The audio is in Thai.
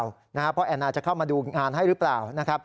เพราะแอนนาจะเข้ามาดูงานให้หรือเปล่านะครับ